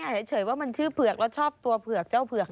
เฉยว่ามันชื่อเผือกแล้วชอบตัวเผือกเจ้าเผือก